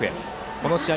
この試合